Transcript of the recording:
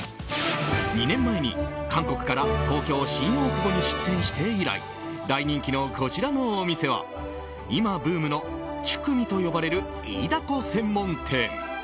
２年前に韓国から東京・新大久保に出店して以来大人気のこちらのお店は今、ブームのチュクミと呼ばれるイイダコ専門店。